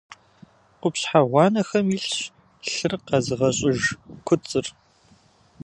Къупщхьэ гъуанэхэм илъщ лъыр къэзыгъэщӏыж куцӏыр.